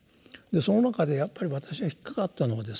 その中でやっぱり私が引っ掛かったのはですね